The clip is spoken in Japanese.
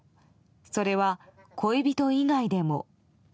それは、恋人以外でも。